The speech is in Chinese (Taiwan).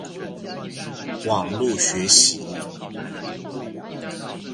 網路學習